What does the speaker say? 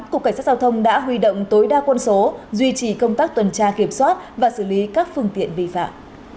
cục cảnh sát giao thông đã huy động tối đa quân số duy trì công tác tuần tra kiểm soát và xử lý các phương tiện vi phạm